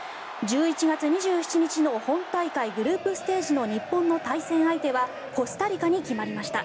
１１月２７日の本大会グループステージの日本の対戦相手はコスタリカに決まりました。